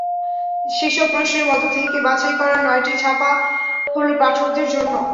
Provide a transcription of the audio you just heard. সেসব প্রশ্নের মধ্য থেকে বাছাই করা নয়টি ছাপা হলো পাঠকদের জন্য।